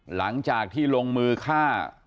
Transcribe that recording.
หลังจากที่ลงมือฆ่า